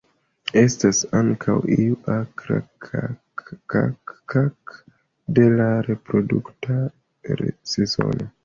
Estas ankaŭ iu akra "kak-kak-kak" de la reprodukta sezono.